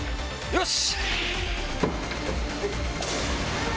よし！